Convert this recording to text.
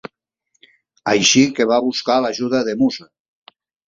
Així que va buscar l'ajuda de Musa.